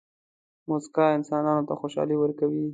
موسکا انسانانو ته خوشحالي ورکوي.